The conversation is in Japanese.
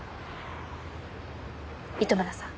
糸村さん。